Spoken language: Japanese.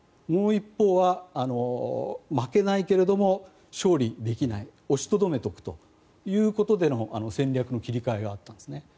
もう一方は負けないけれども勝利できない押しとどめておくということでの戦略の切り替えがあったんですね。